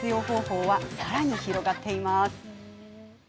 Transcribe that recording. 方法はさらに広がっています。